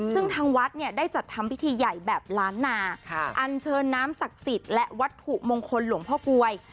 ซึ่งทางวัดเนี่ยได้จัดทำพิธีใหญ่แบบล้านนาอันเชิญน้ำศักดิ์สิทธิ์และวัตถุมงคลหลวงพ่อกลวย